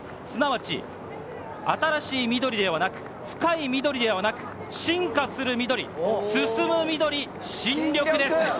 すなわち、新しい緑ではなく、深い緑ではなく、進化する緑、進む緑、進緑です。